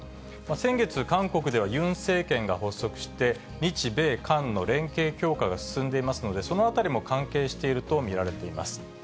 先月、韓国ではユン政権が発足して、日米韓の連携強化が進んでいますので、そのあたりも関係していると見られています。